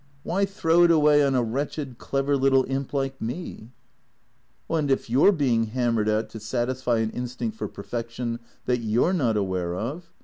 Why throw it away on a wretched, clever little imp like me ?"" And if you 're being hammered at to satisfy an instinct for perfection that you're not aware of